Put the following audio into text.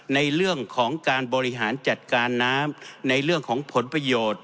ในเรื่องของการบริหารจัดการน้ำในเรื่องของผลประโยชน์